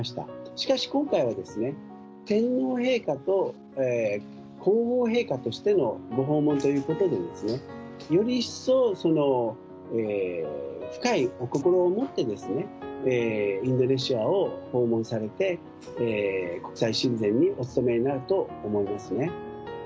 しかし今回はですね、天皇陛下と皇后陛下としてのご訪問ということで、より一層深いお心を持ってですね、インドネシアを訪問されて、国際親善にお努めになると思いますね。